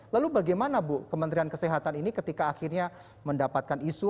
lalu bagaimana bu kementerian kesehatan ini ketika akhirnya mendapatkan isu